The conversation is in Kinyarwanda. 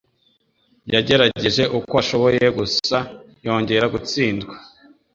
Yagerageje uko ashoboye gusa yongera gutsindwa.